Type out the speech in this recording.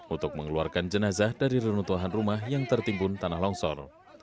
untuk mengeluarkan jenazah dari reruntuhan rumah yang tertimbun tanah longsor